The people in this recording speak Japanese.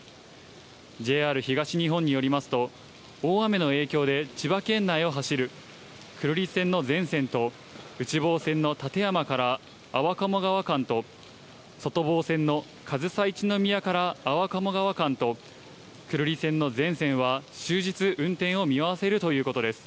ＪＲ東日本によりますと、大雨の影響で千葉県内を走る久留里線の全線と内房線の館山から安房鴨川間と外房線の上総一ノ宮から安房鴨川間と久留里線の全線は終日、運転を見合わせるということです。